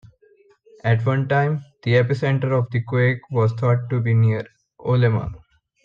At one time, the epicenter of the quake was thought to be near Olema.